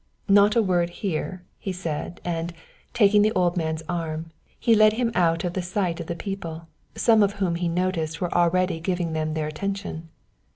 "Not a word here," he said, and, taking the old man's arm, he led him out of the sight of the people, some of whom he noticed were already giving them their attention.